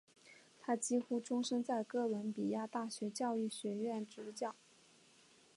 他几乎终生在哥伦比亚大学教育学院执教。